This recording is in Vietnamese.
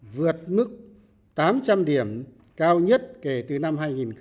vượt mức tám trăm linh điểm cao nhất kể từ năm hai nghìn tám